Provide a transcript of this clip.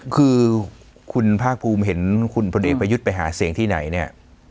คือคุณภาคภูมิเห็นคุณพลเอกประยุทธ์ไปหาเสียงที่ไหนเนี่ย